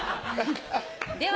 では